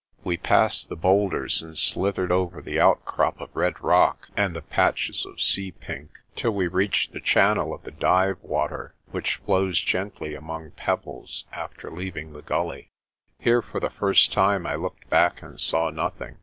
We passed the boulders and slithered over the outcrop of red rock and the patches of sea pink till we reached the chan nel of the Dyve water, which flows gently among pebbles after leaving the gully. Here for the first time I looked back and saw nothing.